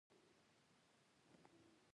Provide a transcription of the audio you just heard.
ژبه زموږ د ملي وحدت نښه ده.